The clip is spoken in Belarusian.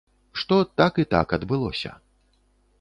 Што так і так адбылося.